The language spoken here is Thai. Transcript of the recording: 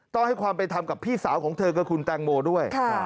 ต้องให้ความเป็นธรรมกับพี่สาวของเธอกับคุณแตงโมด้วย